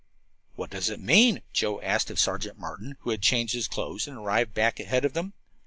"What does it mean?" Joe asked of Sergeant Martin, who had changed his clothes and arrived back ahead of them.